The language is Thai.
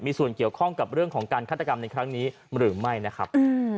มีส่วนเกี่ยวข้องกับเรื่องของการฆาตกรรมในครั้งนี้หรือไม่นะครับ